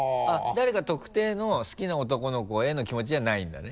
誰か特定の好きな男の子への気持ちじゃないんだね。